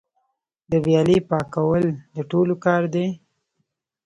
د ویالې پاکول د ټولو کار دی؟